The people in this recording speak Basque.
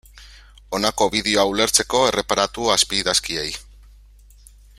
Honako bideoa ulertzeko, erreparatu azpiidazkiei.